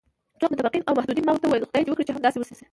څوک؟ متفقین او متحدین، ما ورته وویل: خدای دې وکړي چې همداسې وشي.